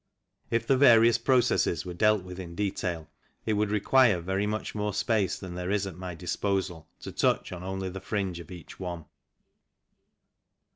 If the various processes were dealt with in detail, it would require very much more space than there is at my disposal to touch on only the fringe of each one.